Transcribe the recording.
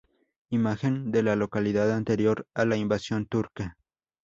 Imagen de la localidad anterior a la invasión turca.